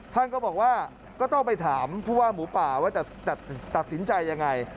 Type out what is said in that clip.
ท่านก็บอกว่าก็ต้องไปถามผู้ว่าหมูป่าว่าจะตัดสินใจยังไง